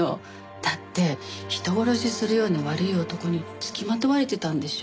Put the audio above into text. だって人殺しするような悪い男に付きまとわれてたんでしょ？